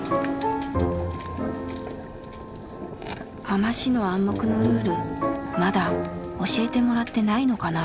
海士の暗黙のルールまだ教えてもらってないのかな。